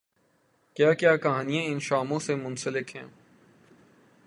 کیا کیا کہانیاںان شاموںسے منسلک ہیں۔